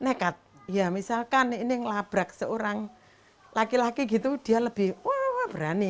nekat ya misalkan ini ngelabrak seorang laki laki gitu dia lebih wah berani